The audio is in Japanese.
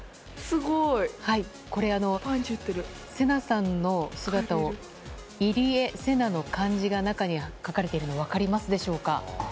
これ、聖奈さんの姿を入江聖奈の漢字が中に書かれているのが分かりますでしょうか？